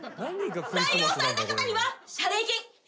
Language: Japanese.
採用された方には謝礼金１万円。